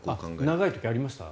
長い時ありました？